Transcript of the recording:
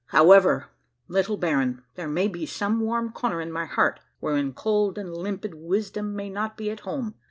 However, little baron, there may be some warm corner in my heart wherein cold and limpid wisdom may not be at home.